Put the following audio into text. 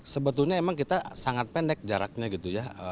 sebetulnya memang kita sangat pendek jaraknya gitu ya